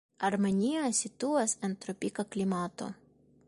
Armenia situas en tropika klimato.